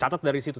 catat dari situ